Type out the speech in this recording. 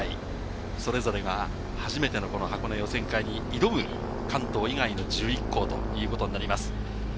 それぞれが初めての箱根予選会に挑む関東以外の１１校ということになります。